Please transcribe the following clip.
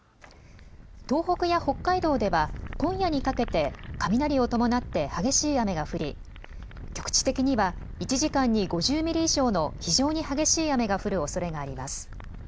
東北や北海道では今夜にかけて雷を伴って激しい雨が降り局地的には１時間に５０ミリ以上の非常に激しい雨が降るおそれがあります。